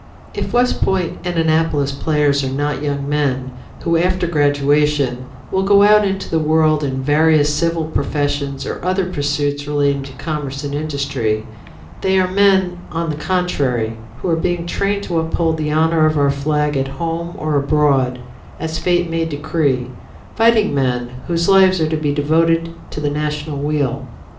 If West Point and Annapolis players are not young men, who, after graduation, will go out into the world in various civil professions or other pursuits relating to commerce and industry, they are men, on the contrary, who are being trained to uphold the honor of our flag at home or abroad, as fate may decree fighting men whose lives are to be devoted to the National weal.